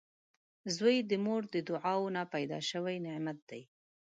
• زوی د مور د دعاوو نه پیدا شوي نعمت وي